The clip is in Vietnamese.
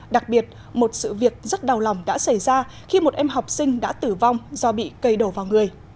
đặc biệt một sự việc rất đau lòng đã xảy ra khi một em học sinh đã tử vong do bị cây đổ vào người